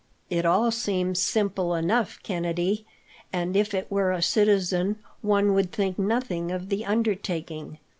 "It all seems simple enough, Kennedy, and, if it were a citizen, one would think nothing of the undertaking.